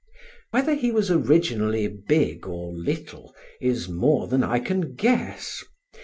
Whether he was originally big or little is more than I can guess.